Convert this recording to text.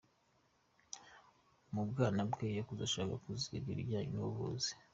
Mu bwana bwe yakuze ashaka kuziga ibijyanye n’ubuvuzi.